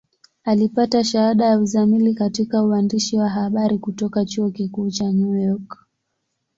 Alipata shahada ya uzamili katika uandishi wa habari kutoka Chuo Kikuu cha New York.